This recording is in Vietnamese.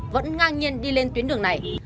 vẫn ngang nhiên đi lên tuyến đường này